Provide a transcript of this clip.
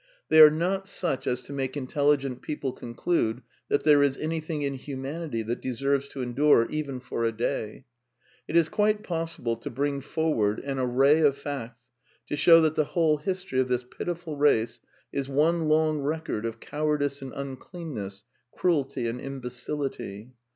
They are not such as to make intelligent people conclude that there is anything in humanity that deserves to endure even for a day. It is quite possible to bring forward an array of facts to show that the whole history of this pitiful race is one long record of cowardice and uncleanness, cruelty and imbecility.